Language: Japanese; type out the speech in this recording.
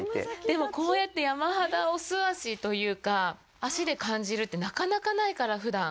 でも、こうやって山肌を、素足というか、足で感じるって、なかなかないから、ふだん。